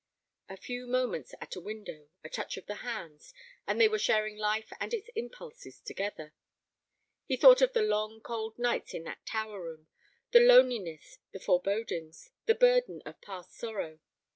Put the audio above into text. A few moments at a window, a touch of the hands, and they were sharing life and its impulses together. He thought of the long, cold nights in that tower room, the loneliness, the forebodings, the burden of past sorrow.